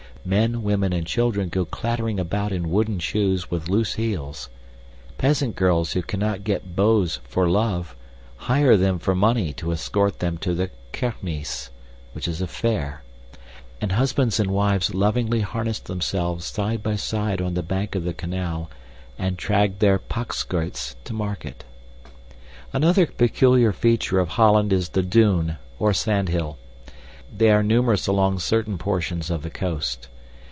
Men, women, and children go clattering about in wooden shoes with loose heels; peasant girls who cannot get beaux for love, hire them for money to escort them to the kermis, *{Fair.} and husbands and wives lovingly harness themselves side by side on the bank of the canal and drag their pakschuyts to market. Another peculiar feature of Holland is the dune, or sand hill. These are numerous along certain portions of the coast.